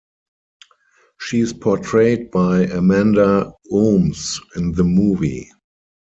She is portrayed by Amanda Ooms in the movie.